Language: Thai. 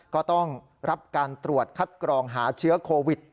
ก็ต้องรับการตรวจคัดกรองหาเชื้อโควิด